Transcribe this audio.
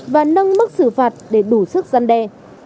và nâng mức xử phạt để đủ sức gian đe